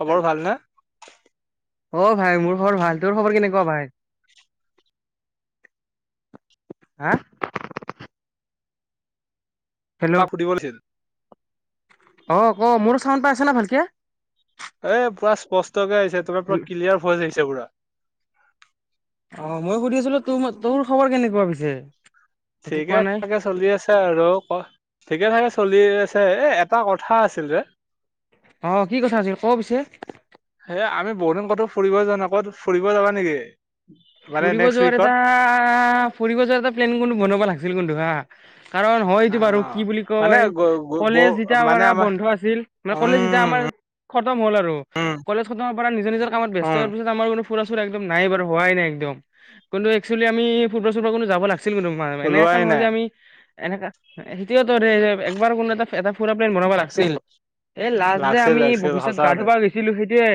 খবৰ ভাল নে। অ ভাই মোৰ খবৰ ভাল তোৰ খবৰ কেনেকুৱা ভাই। হা। হেল্ল' তাক সুধিব লাগিছিল। অ ক মোৰো চামান পাই আছে না ভালকে। এ পুৰা স্পষ্ট। আহিছে তুমাৰ পুৰা কিলিয়াৰ ভইচ আহিছে। হিছে পুৰা। অ ময়ো সুধি আছিলো, তোৰ খবৰ কেনেকুৱা পিছে। একো ঠিকে কোৱা নাই থাকে চলি আছে আৰু, ঠিকে থাকে চলি আছে। এ এটা কথা আছিল ৰে। অ কি কথা আছিল ক পিছে। এ আমি বহুত দিন ক'তো ফুৰিব যা নাই ক'তো, ফুৰিব যাবা নেকি? মানে ফুৰিব নেক্সট যোৱাৰ উইকত? এটা ফুৰিব যোৱাৰ এটা প্লেন কোন বনাবা লাগিছিল কিন্তু হা। কাৰণ হয় এইটো বাৰু কি অ' বুলি মানে কয় গ গ ব কলেজ যেতিয়াৰ মানে পৰা আমাৰ বন্ধ আছিল মানে কলেজ যেতিয়া আমাৰ উম খতম হ'ল আৰু উম কলেজ খতম হোৱাৰ পৰা নিজৰ নিজৰ কামত ব্যাস্ত উম হৱাৰ পিছত আমাৰ কোনো ফুৰা চুৰা একদম নাই বাৰু হোৱাই নাই। কিন্তু একছোৱেলি আমি ফুৰবা চুৰব কোনো যাব লাগ এনেকা ওলোৱাই নহয় নাই। যে আমি এনেকা সেইটোৱেটোৰে একবাৰ কোনো এটা এটা ফুৰা প্লেন বনাব লাগছিল। এই লাষ্ট যে লাগছিল আমি লাগছিল বশিষ্ঠত গা সঁচাতে। ধুবা গৈছিলো সেইটোয়ে,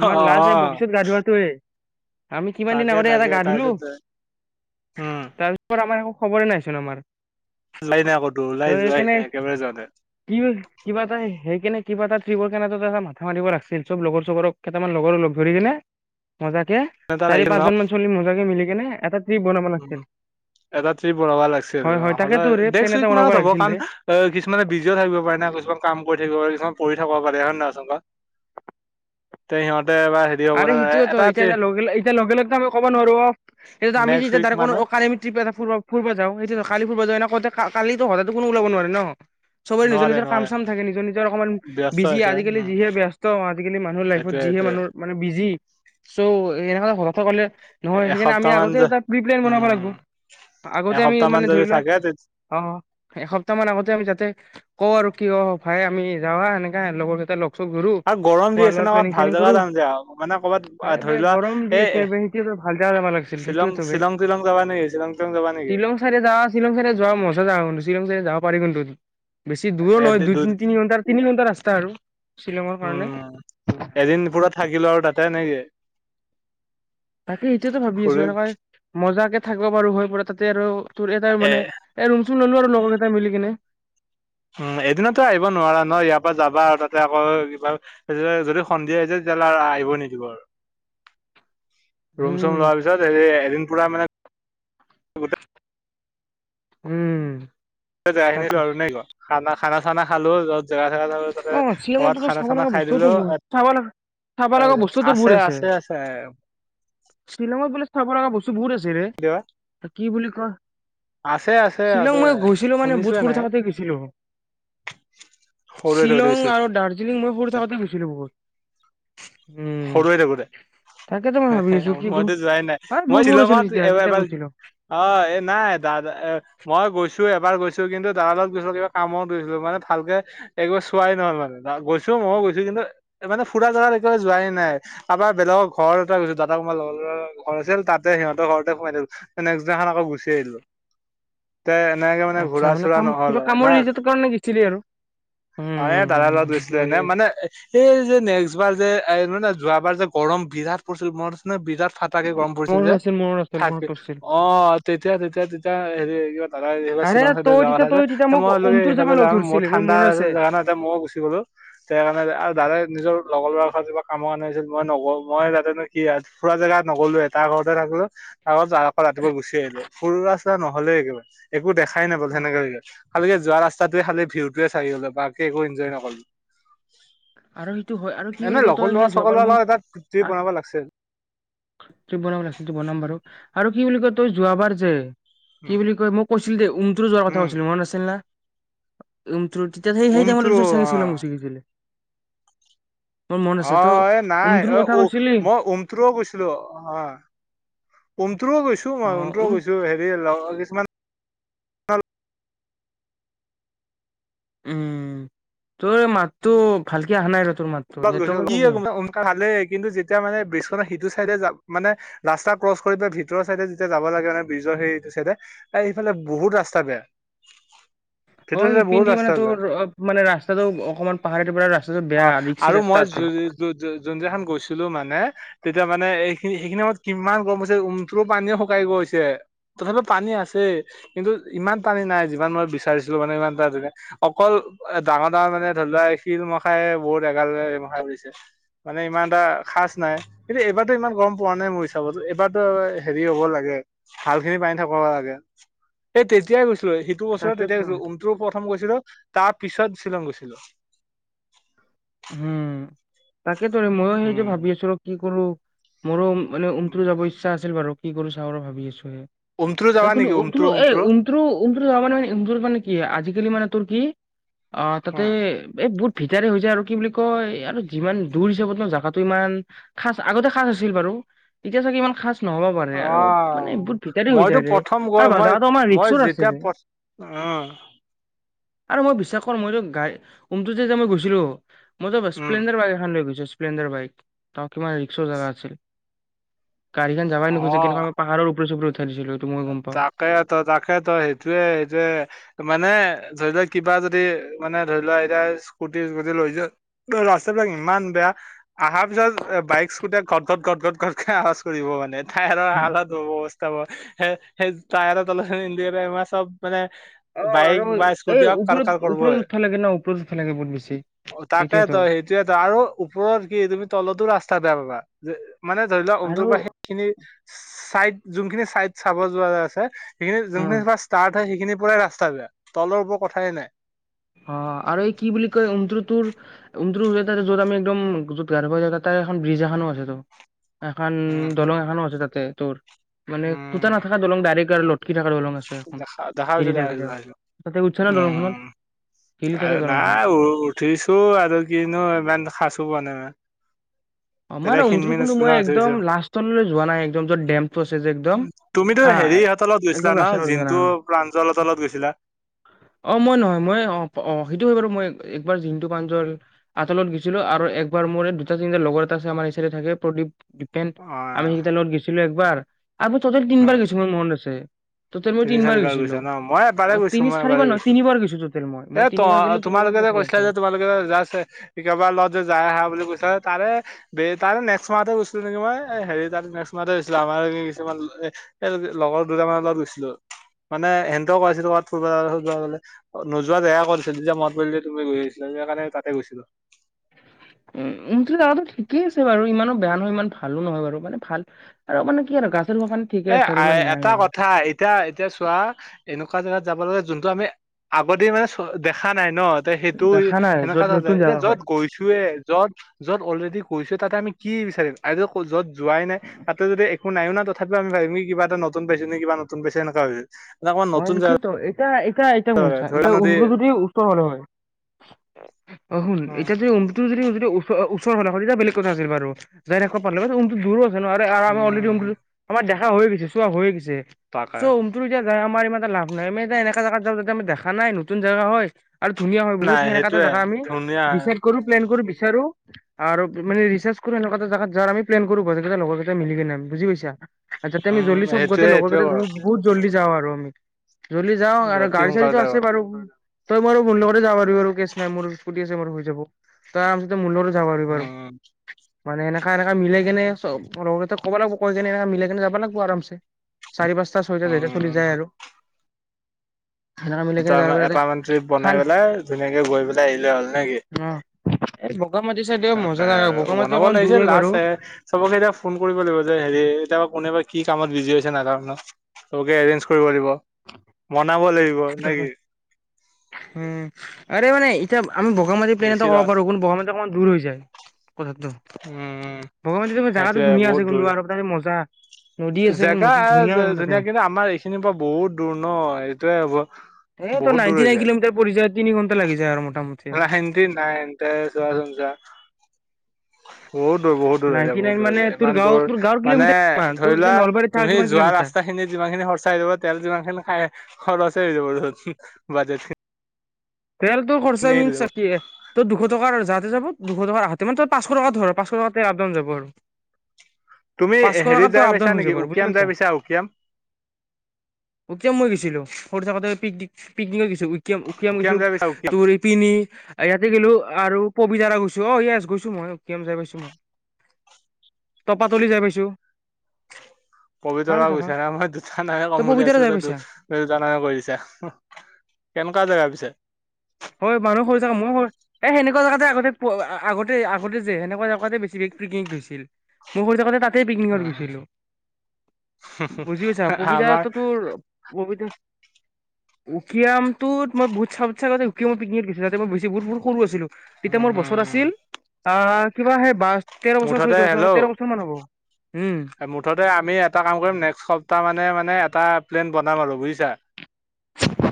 আমাৰ লাষ্ট এই অ' বশিষ্টত গা ধোৱাটোৱে। আমি কিমান দিন তাকে আগতে এটা তাকে গা ধুলো তাৰপিছত উম তাৰপিছত আমাৰ খবৰে নাইছিল আমাৰ যাই নাই আকৌ দ ত ওলাই যোৱাই সেইকাৰণে নাই একেবাৰে যোৱা নে। কি কিবা এটা সেই কেনে কিবা এটাৰপৰ কেটা মাথা মাৰিব লাগিছিল চব লগৰ চব কেইটামান লগৰ লগ ধৰি কিনে মজাক কে এটা চাৰি পাচজন মান চল মজাকে মিলি [unintelligible] উ লাগিছিল এটা ট্ৰিপ বঢ়বা লাগিছে আৰু হয় হয় অ তাকেতো ৰে প্লেন নেক্সট এটা উইক বনাব মানত হ'ব লাগিছিল ৰে কাৰণ অ কিছুমানে বিজিও থাকিব পাৰে না কিছুমান কাম কৰি থাকিব প পঢ়ি থাক পাৰে হয় নচোনা তে সিহঁত আ ৰে সেইটোয়েতো এতিয়া লগেল এতিয়া লোকেলতো আমি ক'ব নোৱাৰো অ সেইটো আমি নেক্সট উইক যেতিয়া মানত কালি্ৰপটা ফ ফুৰব যাওঁটো কালি [unintelligible] চবৰে নিজৰ নোৱাৰে নিজৰ কাম নোৱাৰে চাম থাকে নিজৰ নিজৰ অকণমান ব্যস্ত বিজি হৈছে আজিকালি উম যিহে ব্যস্তওঁ আজিকালি মানুহ লাইফত সেইটোয়ে যিহে সেইটোয়ে মানুহ বিজি চ' এনেকুৱ কলে এ- নহয় সেইকাৰণে আমি এসপ্তাহ মান আগতে যে এটা প্ৰি প্লেন বনাব উম লাগিব আগতে আমি এসপ্তাহ মান মানে যদি ধৰি লওক থাকে তে অ এসপ্তাহ মান আগতে আমি যাতে ক আৰু কি ক ভাই আমি যা হা সেনেকাে লগৰ কেটালগ আৰু গৰম দি আছে ন ভাল জাগা জাম দে ব গৰম দি এ এ, আছে বে সেইটো ভালদা লাগিছিল শ্বিলং সেইটোৱে ত বে শ্বিলং তিলং যাবা নেকি তিলং যাবা নেকি শ্বিলং চাইড যা শ্বিলং চাইডে যোৱা মজা যা শ্বিলং চাইড যা পাৰিকুনটো বেছি দূৰো এ নহয় দুই দু তিনি তিনি ঘণ্টা তিনি ঘণ্টা ৰাস্তা আৰু শ্বিলঙৰ কাৰণে পাতে নেকি তাকে সটোয়েতো ভাবি ঘূৰি আছো এনেকা মজাকে থাকিব বাৰ হৈ প তাতে আৰু তোৰ এটা এ মানে এ ৰুম চো ললো আৰু লগৰকেইটা মিলি কিনে উম এদিনতো আহিব নোৱাৰা ন ইয়াৰ পৰা যাবা আৰু তাতে আকৌ কিবা যদি সন্ধিয়া আহছে তেতিয়াহ'লে আহিব নিদিব আৰু ৰুম উম চুম লোৱাৰ পিছত হেই দিন পুৰা মানে গোটেই উম। তাকে [unintelligible] খানা। খানা চানা খালো য অঁ শ্বিলংতটোটো চাব লগা খাই বস্তু দিলো তোৰ বহুত চাব লগা চাব লগা বস্তু তোৰ বহুত আছে, শ্বিলঙত বোলে চাব লগা বস বহুত আছে ৰে। কিবা কি বুলি কোৱা আছে আছে শ্বিলং আছে মই গৈছিলো মানে বুত শুনিছোয়ে সৰু নাই থাকোতে গৈছিলোঁ। সৰুৱে থৈ শ্বিলং দিছিল আৰু দাৰ্জিলিং মই সৰু থাকোতে গৈছিলো বহু [inaudible] সৰু হৈ থাকোতে? তাকেতো মই ভাবি আছো কি কৰো মইতো যোৱাই নাই। আ বহুত মই সৰু আছিলো শ্বিলঙত তেতিয়া তেতিয়া এব গৈছিলো। অ এ নাই দাদা এ মই গৈছ এবাৰ গৈছো কিন্তু দাদা লগত গৈছিলো কিবা কামত গৈছিলো মানে ভালকে একবাৰ চোৱাই নহ'ল মানে গৈছো ময়ো গৈছো কিন্তু মানে ফুৰা জেগাত একবাৰে যোৱাই ন নাই আবাৰ বেলেগৰ ঘৰ এটাত গৈছো দাদা কোমা লগৰ ঘৰ আছিল তাতে সিহঁতৰ ঘৰতে সোমাই দিলো নেক্সট দিনাখন আকৌ গুচি আহিলো। তে এনেকে মানে আচ্ছা ঘূৰা চুৰা কাম নহল কিবা হয় কামৰ না ৰিলেটেড কাৰণে গৈছিলি আৰু। উম, অ এ উম, দাৰ উম, লগত গৈছিলো এনে উম, মানে এই যে নেক্সট বাৰ যে এই মানে যোৱাবাৰ যে গৰম বিৰাট পৰিছিল মনত আছে নে বিৰাট ফা তাকে গৰম পৰিছিল যে, মনত আছিল মনত আছিল মনত থাকি পৰিছিল অঁ, তেতিয়া তেতিয়া তেতিয়া হেৰি কিবা দাদাই আৰে শ্বিলং চাইডে যোৱা তই তেতিয়া কথা যে তই তেতিয়া মোক মই উমটোৰ যাবা এইফালে লগ যাম মোৰ ধৰিছিলি ঠাণ্ডা মনত জেগাটা আছে এ মইও গুচি গলো সেই কাৰণে আৰু দাদাই নিজৰ লগৰ ল'ৰা ঘৰত যিবা কামৰ কাৰণে যে মই নগ মই তাতেনো কি আ ফুৰা জেগাত নগলো এটা ঘৰতে থাকিলো ত তাৰ আকৌ ৰাতিপুৱা গুচি আহিলো নহ'লে একেবাৰে একো দেখাই নাপালো অ', সেনেকা লাগিলে। আৰু সে যোৱা ৰাস্তাটোৱে খালি ভিউটোৱে চাই গলো বাকী একো এনজয়ে নকৰ আৰু সেইটো হয় আৰু কি বুলি কয় এট লগৰ ল'ৰা চগৰ ল'ৰা লগত এটা ট্ৰিপ বনাব লাগছিল ট্ৰিপ বনাবলগীয়া সেটো বনাম বাৰু আৰু কি বুলি কয় তোৰ যোৱাবাৰ যে উম কি বুলি কয় মোক কৈছিল দেউ উমটো যোৱাৰ কথা উম কৈছিল মনত আছিল না? উ তোৰ তেতিয়া সেই সেই উমটো টাইমতে চাগে অ শ্বিলং গুছি গেছিলে অ এ নাই উমটোৰ অ কথা উ কৈছিলি মই উমথ্ৰ গৈছিলো অ উমথ্ৰু গৈছো অ মই উমট্ৰ উম গৈছো হেৰি এ ল কিছুমান উম তোৰ মাতটো ভালকে আহা নাই ৰ তোৰ মাততো স্কুল গৈছিলো নেটৱৰ্কৰ কি প্ৰব্লেম উমকা ভালেই কিন্তু যেতিয়া মানে বিশ্বৰা সেইটো চাইডে যাম [inaudible] মানে ৰাস্তা ক্ৰচ কৰি পেলাই ভিতৰৰ চাইডে যেতিয়া যাব লাগে মানে ব্ৰিজৰ সেই চাইডে এ ইফালে বহুত ৰাস্তা বেয়া। অ' ভিতৰৰ চাইডে বহুত সেইপিনে মানে ৰাস্তা বেয়া তোৰ অ মানে ৰাস্তাটো অকনমান পাহাৰ পৰা ৰাস্তাটো অ বেয়া [inaudible] আৰু মই জ আছে জোনজা খন গৈছিলো মানে [inaudible] তেতিয়া মানে এইখিনি সেইখিনি সময়ত কিমান গৰম হৈছে উমট্ৰু পানীয়ে শুকাই গৈছে তথাপিও পানী আছেই কিন্তু ইমান পানী নাই যিমান মই বিচাৰিছিলো মানে ইমান টা তে অকল ডাঙৰ ডাঙৰ মানে ধৰি লোৱা শিল মাখাই বহুত [inaudible] মানে ইমান এটা সচ নাই কিন্তু এইবাৰতো ইমান গম পোৱা নাই মোৰ হিচাপতো এইবাৰতো হেৰি হব লাগে ভাল খিনি পানী থাক লাগে তেতিয়াই গৈছিলৈ [inaudible] সেইটো বছৰত তেতিয়া তাকেতো গৈ উমট্ৰু প্ৰথম গৈছিলো [inaudible] তাৰ পিছত শ্বিলং গৈছিলো। উম তাক তাকেইটো ময়ো সেইটো ভাবি আছো কি কৰো। মোৰো মানে উম উমটো যাব ইচ্ছা আছিল বাৰু [inaudible] কি কৰো চাও ৰ ভাবি আছো। উমট্ৰু যাবা সখনোনো নেকি উম উমট্ৰু এই উমট্ৰু উ্ৰু [unintelligible] উমট্ৰু যাবা মানে মানে উমট্ৰু মানে কি আজিকালি মানে তোৰ কি অ' তাতে এই বু ভিতাৰে হৈ যা আৰু কি বুলি কয় আৰু যিমান দূৰ হিচাপত ন জাগাটো ইমান খচ আগতে খাঁচ আছিল বাৰু তেতিয়া চাগে ইমান খাচ নহ'ব পাৰে অ আৰু মানে বহুত ভিতাৰি হৈ মইতো যায় ৰে প্ৰথম আৰু গৈ বা- মই জাগাটো আমাৰ মই ৰিক্সত আছে যেতিয়া ৰে প্ৰথ অ আৰু মই বিশ্বাস কৰোঁ মইতো গাই উমটু যে যে মই গৈছিলোঁ মই ত উম, স্প্লেণ্ডাৰ বাইকখন লৈ গৈছো স্প্লেণ্ডাৰ বাইক তেওঁ কিমান ৰিক্স জাগা আছিল গাড়ী খন যাৱায় নোখোজে কেনেকুৱা পাহাৰৰ ওপৰত ছুপৰত তাকে তই তাকে তই সেইটোয়ে সেইটোয়ে মানে ধৰি লওক কিবা যদি মানে ধৰি লোৱা এতিয়া স্কুটি লৈ যোৱা ৰাস্তা বিলাক ইমান বেয়া আহাৰ পিছত বাইক স্কুটিয়ে ঘট ঘট ঘট ঘট ঘট আৱাজ কৰিব মানে হুম। [unintelligible] তাব সে সেই তায়াৰ তলখিনি [unintelligible] সব মানে অ বাইক আৰু বা এই স্কুটি হক কাৰ ওপৰত কাৰ ওপৰত কৰিবই উঠবা লাগে ন ওপৰত উঠবা লাগে বহুত বেছি তাকে সেইটোয়েতো তই সেইটোয়ে ত আৰু ওপৰত কি তুমি তলতো ৰাস্ বেয়া বাবা যে। মানে ধৰি লোৱা। আৰু অনটোৰ পৰা সেইখিনি। ছাইড যোনখিনি চাইড। চাব যোৱা যে আছে। সেইখিনি অ যোনখিনি পা ষ্টাৰ্ট সেইখিনি পৰাই ৰাস্তা বেয়া, তলৰ ওপৰ কথাই নাই। অ আৰু এই কি বুলি কয়, উমত্ৰ তোৰ উমত্ৰ ৱেদাৰ য'ত আমি আমি একদম য'ত গা ধুব জাগা তাৰ এখন ব্ৰিজ এখনো আছে ত। এখন উম দলং এখনো আছে তাত। তে তোৰ। মান খুটা উম নাথাকা দলং ডাইৰেক্ট। কাৰ লত। কি থাকাৰ দলং আছে এখন দেখা দেখা পাইছো হেৰি দেখা থাকে পাইছো কা দেখা পাইছো তাতে উতচ না দলংখনত। উম হিলি থাকে দলংখন নাই উ উঠিছো আৰু কিনো ইমান খাছো পোৱা নাই মই। অ তেতিয়া মানে উন্তৰ খিনমিন কোনটো আছিলো ন মই উঠিছো একদম লাষ্টলে যোৱা নাই, একদম যত ডেমটো আছে যে একদম তুমিতো হা। হেৰিহঁতৰ লগত গৈছিলা ন জিন্তু [unintelligible] প্ৰাঞ্জলৰ লগত গৈছিলা অ মই নহয়, মই অ অ সেইটো হয় বাৰু মই একবাৰ জিণ্টু, পাঞ্জল আতালত গৈছিলো আৰু একবাৰ মোৰ দুটা তিনিটা লগৰ টা আছে আমাৰ চাইডে থাকে প্ৰদীপ। ডফেন অ আমি সেইটা লগত গেছিলো একবাৰ আমি টটেল অ তিনিবাৰ গৈছোঁ মোৰ মনত আছে। টোটেল মই তিনি তিনিবাৰ চাৰিবাৰ গৈছিলো গৈছা ন মই এবাৰ অ গৈছোঁ তিনি মই এবাৰ চাৰিবাৰ নহয় গৈছোঁ তিনিবাৰ গৈছো টোটেল মই মই এ তিনিবাৰ তহ'ত গ'লো তিনিবাৰ তোমালোকে যাই যে ভাল কৈছিলা লাগছে যে তোমালোকে জাষ্ট কাৰবাৰ লগত যে যাই আহা বুলি কৈছা। তাৰে তাৰে নেক্স মাহত গৈছিলোঁ নেকি, মই হেৰি তাৰে নেক্স মাহতে গৈছিলো, আমাৰ কিছুমান লগৰ দুটামানৰ লগত গৈছিলোঁ। মানে ইহঁতেও কয় আছিলে ক'ৰবাত ফুৰিব যাব লাগিছিল। নোযোৱা জেগা ক'ত আছিল, যেতিয়া মনত পৰিল যে তুমি গৈছিলা যে সেই কাৰণে তাতে গৈছিলোঁ। উম, মুঠতে জেগা কন ঠিকেই আছে বাৰু, ইমানো বেয়া নহয়, ইমান ভালোঁ নহয় বাৰু মানে ভাল আৰু মানে। কি আৰু গা চা ধুব কাৰণে ঠিকে এ আছে আৰু ইমান নাই এটা আৰু কথা এতিয়া এতিয়া চোৱা এনেকুৱা জেগাত যাব লাগে যোনটো আমি আগতে মানে চ দেখা নাই ন। সেইটোয়ে দেখা নাই এনেকা য'ত এটা জেগাত নতুন এতিয়া, জাগা য'ত হয় গৈছোয়ে য'ত য'ত অলৰেডি। কৈছোঁ তাতে আমি কি বিচাৰিম আইদো য'ত। যোৱাই নাই তাতে যদি একো একো নাই ন তথাপি আমি ভাবিম কি কিবা এটা নতুন পাইছে নেকি কিবা নতুন পাইছে এনেকুৱা হয়। হয়, কিন্তু এতিয়াহ। কাই এতিয়া মূখ চাই ধৰা এতিয়া নদী তোৰ যদি ওচৰৰ হ'ল হয় অ' শুন উম এতিয়া ৰুমটো যদি ওচ ওচৰ হ'লে হয় তেতিয়া বেলেগ কথা আছিল বাৰু যাই থাকিব পাৰিলেহেঁতেন। ৰুমটো দূৰো নোৱাৰে উম উম অলৰেডি উম, আমাৰ দেহাৰ। এ হৈ গৈছে চোৱা, হৈ গৈছে। তাকে চ উটো [unintelligible] আমাৰ ইমানটা লাভ নাই আমি এ এনেকা জেগাত যাওঁ যদি আমি দেখা নাই নতুন জাগা হয়। আৰু ধুনীয়া হয় বহুত নাই সেনেকা এটা সেইটোয়ে জোগা আমি ধুনীয়া ডিচাইড কৰো, প্লেন কৰো বিচাৰো। আৰু মানে ৰিচাৰ্চ কৰো, এনেকুৱা এটা জোগাত যাম আমি প্লেন কৰো। এটা লগৰ কেইটা মিলিকিনে, বুজি পইছা। আছা তোমি উম জল্লি চব গতে সেইটোয়ে লগৰতে সেইটোয়ে কৰ বহুত জলি যাবা [unintelligible] ৰমিত, [unintelligible] যদি যাওঁ, আৰু অতি গাড়ী সোনকালে চাড়ীটো যাব আছে বাৰু। তই মই আৰু মো লগতে যাব পাৰিবি, আৰু কেচ নাই মোৰ ইস্কুটি আছে মোৰ হৈ যাব তই আৰমতে ম উম। মানেনেক [unintelligible] এ এনেকা মিলে কেনে চব। লগতে কব লাগিব কৈ কিনে এনে মিলাই কিনে যাব লাগিব, আৰামছে। চাৰি পাঁচটা ছয়টা যেয়া উম চলি যায় আৰু সেনেকা মিলাই কিনে ত যাব লাগে এটামান ট্ৰিপ খান বনাই পেলাই ধুনীয়াকে গৈ পেলাই আহিলে হ'ল নেকি। অ এই বগামাটি চাইডে তাক মজা জাগা আৰু বগামাটি বনাব অকমান দূৰ লাগিছে হয় বাৰু লাষ্ট চ চবকে এতিয়া ফোন কৰিব লাগিব যে হেৰি এতিয়া কোনে বা কি কামত বিজি হৈছে ন কাৰণ চবকে এৰেনজ কৰিব লাগিব। মনাব লাগিব টো নে কি? উম আৰু মানে এতিয়া আমি বগা মটি প্লেন এটা বেছি কব লছ পাৰু কিন্তু বগা মাটিত অকণ দূৰ হৈ যায়। কথাটো উম বগামাটিত জাগাটো সেইটোয়ে ধুনীয়া আছে বহুত কিন্তু দূৰ আৰু তাতে মজা নদী আছে জেগা নদী তাতে ধুনীয়া কিন্তু আমাৰ এইখিনিৰ পৰা বহুত দূৰ ন তটয়ে হ'ব সেই তটো বহুত দূৰ নাইনটি নাইন কিলোমিটাৰ পৰি যায় তিনিঘণ্টা লাগি যায় আৰমত ৰাটি নাই ত চবাসনছ বহুত দূৰ বহুত দূৰ হৈ যায় নাইনটি বহুত নাইন দূৰ হৈ মানে যায় তোৰ ইমান গাঁও দূৰ তোৰ গাঁৱৰ মানে কিলোমিটাৰ কিমান তোৰ ধৰি যে লোৱা নলবাৰীত থাকা তুমি কিমান যোৱা কিলোমিটাৰ ৰাস্তা খিনি যিমান খিনি সৰচাই দিব তেল যিমান খিনি খাই খৰছেই হৈ যাব দেখুন, বাজেট তেলটো খৰচা খিনি আহি মিনচ যাব কি এ, তোৰ দুশ টকাৰ যাত হৈ যাব, দুশ টকাৰ হাত তাৰ মানে তই পাঁচশ টকা ধৰ, পাঁচশ টকাত তে আপ-ডাউন যাব আৰু। তুমি পাঁচশ হেৰিত টকাটো যাই আপ ডাউন পাইছা হৈ যাব নেকি, আৰু বুজি উকিয়াম যাই পাইছা, উকিয়াম? তেতিয়া মই গৈছিলোঁ, সৰু থাকোঁতে পিকনিক-পিকনিকত গৈ উকীয়াম-উকিয়াম উকিয়াম গৈছোঁ যাই পাইছা উকিয়াম তোৰ ইপিনে ইয়াতে গেলো আৰু পবিতৰা গৈছোঁ, অ', ইয়েছ গৈছো মই, উকিয়াম যাই পাইছোঁ মই, তপাতলি যাই পাইছোঁ। পবিতৰা গৈছা নে নাই, মই দুটা নামে তই ক'ম বুলি পবিতৰা ভাবিছিলোঁ, যাই তই পাইছা দু-দুটা নামেই কৈ দিছা, কেনেকুৱা জেগা পিছে? হয় মানুহ সৰু জেগা-মই সৰু, এই সেনেকুৱা জেগাতে আগতে-আগতে-আগতে যে সেনেকুৱা জেগাতে বেছিকে পিকনিক গৈছিল, মোৰ সৰু থাকোঁতে তাত তাতে পিকনিকত উম গৈছিলোঁ। বুজি পাইছা, আমাৰ পবিতৰাতো তোৰ পবিতৰা উকিয়ামতোত মই বোট চা বোট চা কৈ [unintelligible] সৰু আছিলোঁ। তেতিয়া উম মোৰ বছৰ উম আছিল আ কিবা সে বা তেৰ বছৰ, মুঠতে চৈধ্য বছৰ, তেৰ হেল্ল' বছৰ মান হ'ব। উম মুঠতে আমি এটা কাম কৰিম নেক্সট সপ্তাহ মানে, মানে এটা প্লেন বনাম আৰু বুজিছা।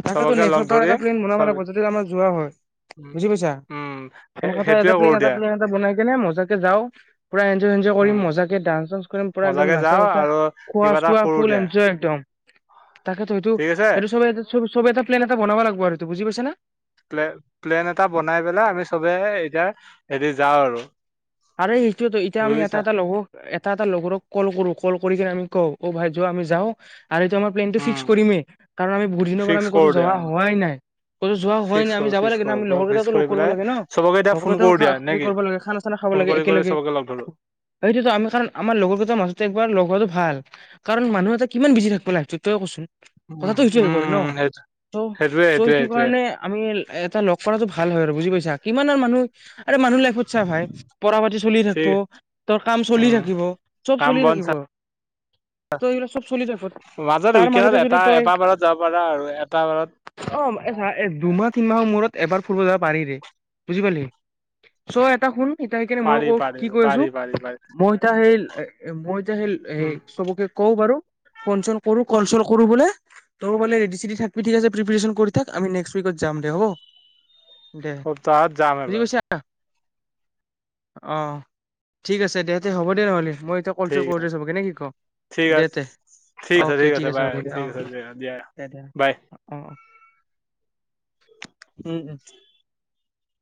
তাকেটো চবকে নেক্সট লগ ধৰি সপ্তাহত প্লেন বনাব লাগিব চব যদি আমাৰ যোৱা হয়, বুজি পাইছা? উম, সেই এনেকোৱা সেইটোয়ে এটা কৰো প্লেন এটা, দিয়া। প্লেন বনাই কেনে মজাকে যাওঁ পুৰা এন ইঞ্জয় কৰিম উম, মজাকে ডান্স চা পুৰা একদম মজাকে নাচা, যাওঁ চাচা আৰু খোৱা, কিবা এটা চোৱা কৰো ফুল দিয়া। এনজয় একদম। তাকেতো হেটো ঠিক আছে? এইটো চব-চবে এটা প্লেন এটা বনাবা লাগবো আৰু এইটো বুজি পাইছা না? প্লে, প্লেন এটা বনাই পেলাই আমি চবে এতিয়া হেৰি যাওঁ আৰু আৰু সেইটো এতিয়া আমি এটা, বুজিছা? এটা লগ, এটা, এটা লগৰক ক'ল কৰোঁ ক'ল কৰি কিনে আমি কওঁ অ', ভাই যোৱা, আমি যাওঁ। আৰু এইটো আমাৰ প্লেনটো উম, ফিক্স কৰিমে কাৰণ আমি বহুত দিনৰ পৰা ফিক্স আমি ক'তো কৰো দিয়া যোৱা উম। হোৱাই নাই, ক'তো যোৱা হোৱা ফিক্স নাই আমি কৰো যাব ফিক্স লাগে ন' কৰো আমি পুৰা লগৰ ফিক্স কেটাকো লগ কৰি কৰিব পেলাই লাগে ন? চবকে এতিয়া লগৰ ফোন কেটা কৰো খা দিয়া নে হেৰী কি? কৰিব লাগে খানা খানা খাব ফোন লাগে কৰি কৰি একেলগে, চবকে লগ ধৰো। সেইটোৱেটো আমি খা আমাৰ লগৰ কেইটাৰ মাজতে এবাৰ ল গ হোৱাটো ভাল কাৰণ মানুহ এটা কিমান বিজি থাকবো লাইফটোত, তই এ কচোন? উম, কথাটো সেইটোৱে আহি পৰে উম, ন' সেইটো ত' সেইটোয়ে সেইটোয়ে চ'সেইটো সেইটোয়ে কাৰণে আমি এটা লগ কৰাটো ভাল হয় আৰু বুজি পাইছা কিমান আৰ মানুহ আৰু মানুহৰ লাইফত চাহ ভাই। পঢ়া পাতি চলি থাকিব, ঠিক তোৰ কাম চলি উম, থাকিব, চব কাম চলি বন থাকিব, চা তই এইবিলাক চব চলি থাকিব, মাজত তাৰ উইকেণ্ডত মাজতে যদি এটা তই এটা বাৰত যাব পাৰা আৰু এটা বাৰত অ', এ দুমাহ তিনমাহৰ মূৰত এবাৰ ফুৰিব যাব পাৰিদে, বুজি পালি? চ' এটা শুন এতিয়া সেইকাৰণে মই পাৰি কওঁ পাৰি কি কৈ পাৰি আছোঁ, পাৰি পাৰি। মই এতিয়া সেই, মই এতিয়া সেই, উম, এ চবকে কওঁ বাৰু। ফোন চন কৰোঁ, কল চল কৰোঁ বোলে, তয়ো বলে ৰেডি চেদি থাকিবি, ঠিক আছে প্ৰিপেচন কৰি থাক, আমি নেক্সট উইকত যাম দে, হ'ব। দে সপ্তাহত যাম বুজি এবাৰ। পাইছা অ', ঠিক আছে দে, তে হ'ব দে নহ'লি। মই এতিয়া কল চল ঠিক আছে। কৰোঁ দে চবকে নে কি ক'? ঠিক দে আছে দে অ', অ'কে ঠিক আছে হ'ব দে, অ', দে, দে, বাই অ', অ', অ'। উম, উম।